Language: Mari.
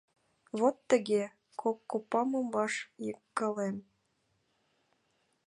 Вот тыге! — кок копамым ваш йыгкалем.